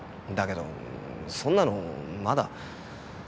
だけどそんなのまだ。